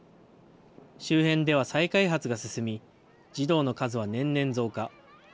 周辺では再開発が進み、児童の数は年々増加。